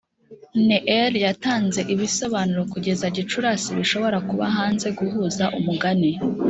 ne'er yatanze ibisobanuro kugeza gicurasi bishobora kuba hanze guhuza umugani